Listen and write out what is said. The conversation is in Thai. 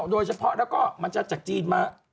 โดยเฉพาะแล้วก็มันจะจากจีนมา